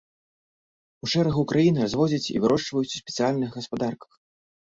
У шэрагу краін разводзяць і вырошчваюць у спецыяльных гаспадарках.